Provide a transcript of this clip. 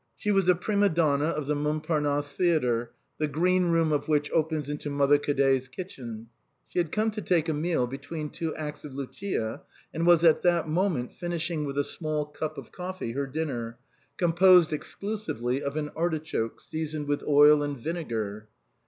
She was a prima donna of the Mont Parnasse theatre, the green room of which all but opens into Mother Cadet's kitchen; she had come to take a meal between two acts of Lucia, and was at that moment finishing with a small cup of coffee her dinner, composed exclusively of an arti choke seasoned with oil and vinegar.